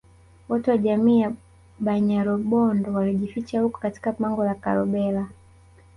Watu wa jamii ya Banyarubondo walijificha huko katika pango la Karobhela